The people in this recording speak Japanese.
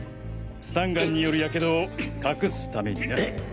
スタンガンによる火傷を隠すためにな。